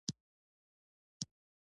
ما د زړه عملیات وکړه